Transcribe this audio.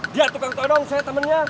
dia tukang todong saya temennya